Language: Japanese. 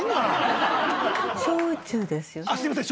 すいません。